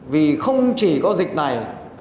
vì không chỉ có dịch này